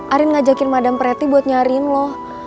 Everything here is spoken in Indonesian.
arin ngajakin madam preti buat nyariin loh